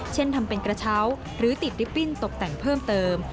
เช่นทำเป็นกระเช้าหรือติดลิปปิ้นตกแต่งเพิ่มเติม